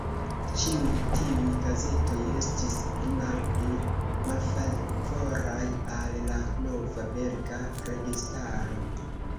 Ĉiuj tiuj gazetoj estis pli malpli malfavoraj al la nova belga registaro.